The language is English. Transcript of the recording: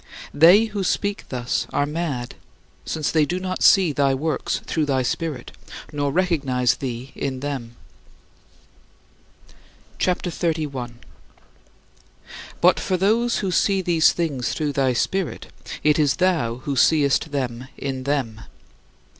They who speak thus are mad [insani], since they do not see thy works through thy Spirit, nor recognize thee in them. CHAPTER XXXI 46. But for those who see these things through thy Spirit, it is thou who seest them in them.